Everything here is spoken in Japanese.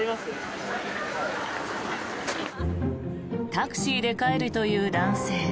タクシーで帰るという男性。